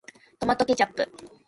トマトケチャップ